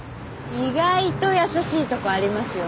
意外と優しいとこありますよね。